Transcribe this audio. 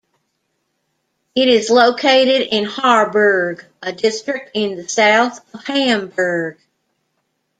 It is located in Harburg, a district in the south of Hamburg.